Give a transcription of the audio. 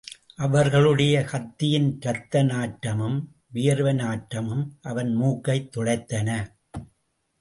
அவர்களுடைய கத்தியின் இரத்த நாற்றமும், வியர்வை நாற்றமும் அவன் மூக்கைத் துளைத்தன.